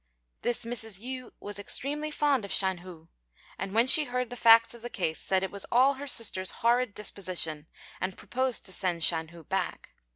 This Mrs. Yü was extremely fond of Shan hu; and when she heard the facts of the case, said it was all her sister's horrid disposition, and proposed to send Shan hu back.